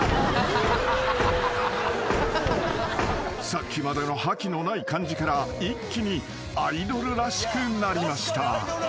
［さっきまでの覇気のない感じから一気にアイドルらしくなりました］